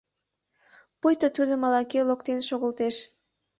— Пуйто Тудым ала-кӧ локтен шогылтеш.